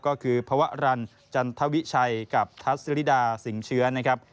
ก็คือพวรรณจันทวิชัยกับทัศริดาสิงเชื้อนะครับ